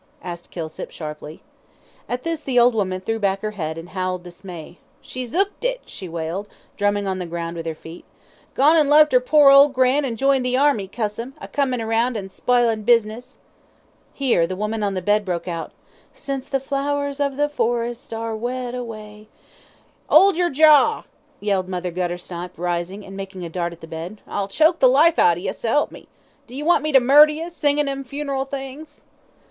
asked Kilsip, sharply. At this the old woman threw back her head, and howled dismay. "She's 'ooked it," she wailed, drumming on the ground with her feet. "Gon' an' left 'er pore old gran' an' joined the Army, cuss 'em, a comin' round an' a spilin' business." Here the woman on the bed broke out again "Since the flowers o' the forest are a' wed awa." "'Old yer jawr," yelled Mother Guttersnipe, rising, and making a dart at the bed. "I'll choke the life out ye, s'elp me. D'y want me to murder ye, singin' 'em funeral things?"